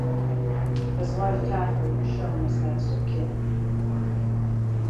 His wife Catherine was shown as "next of kin".